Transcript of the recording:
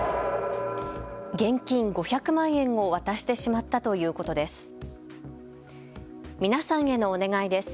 現金５００万円を渡してしまったということです。